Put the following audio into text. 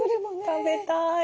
食べたい。